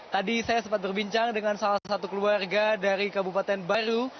tadi saya sempat berbincang dengan salah satu keluarga dari kabupaten baru